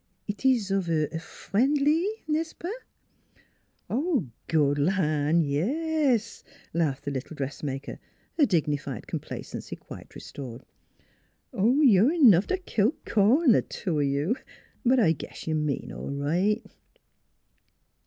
"Eet ees of a frien'ly n'est ce pas?" " Good land, yes !" laughed the little dress maker, her dignified complacency quite restored. ' You're 'nough t' kill corn th' two of you ; but, I guess you mean all right."